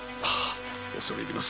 恐れ入ります